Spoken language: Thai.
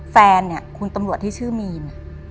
แฟนเนี่ยคุณตำรวจที่ชื่อมีน